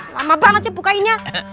lama banget sih bukainnya